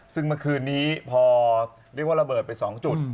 ซึ่งเมื่อคืนนี้พอเรียกว่าระเบิดไป๒จุด